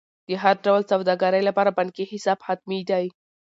د هر ډول سوداګرۍ لپاره بانکي حساب حتمي دی.